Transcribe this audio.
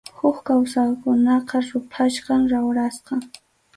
Huk kawsaykunapa ruphasqan, rawrasqan.